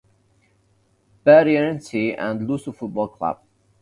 Barreirense and Luso Futebol Clube.